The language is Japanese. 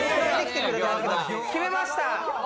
決めました。